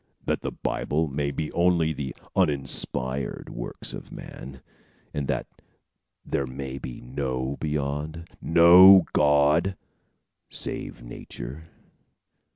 That the Bible may be only the uninspired work of man, and that there may be no beyond no God, save in nature?"